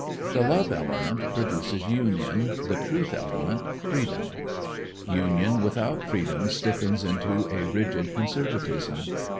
The love element produces union, the truth element, freedom. Union without freedom stiffens into a rigid conservatism.